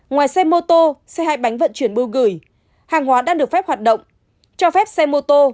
ngoài xe mô tô xe hai bánh vận chuyển bưu gửi hàng hóa đang được phép hoạt động cho phép xe mô tô